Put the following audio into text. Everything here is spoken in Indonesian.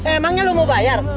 emangnya lu mau bayar